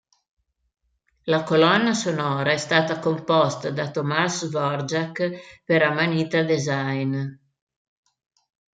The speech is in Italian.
La colonna sonora è stata composta da Tomáš Dvořák per Amanita Design.